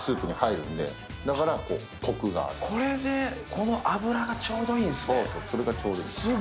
これでこの油がちょうどいいんですね。